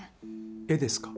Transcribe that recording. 絵ですか？